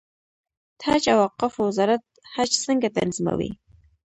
د حج او اوقافو وزارت حج څنګه تنظیموي؟